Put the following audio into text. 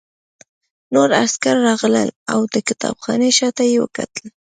نور عسکر راغلل او د کتابخانې شاته یې وکتل